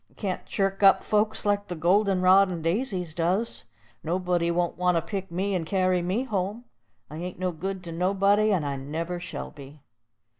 I can't chirk up folks like the golden rod and daisies does. Nobody won't want to pick me and carry me home. I ain't no good to anybody, and I never shall be."